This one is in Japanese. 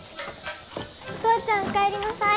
お父ちゃんお帰りなさい！